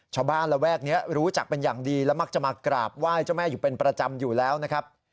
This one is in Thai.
ระแวกนี้รู้จักเป็นอย่างดีและมักจะมากราบไหว้เจ้าแม่อยู่เป็นประจำอยู่แล้วนะครับ